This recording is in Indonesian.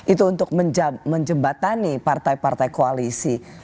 itu untuk menjembatani partai partai koalisi